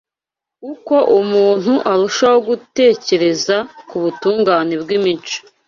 Uko umuntu arushaho gutekereza ku butungane bw’imico